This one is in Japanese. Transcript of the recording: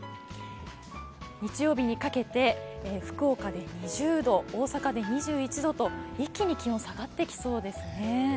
日曜日にかけて福岡で２０度、大阪で２１度と一気に気温が下がってきそうですね。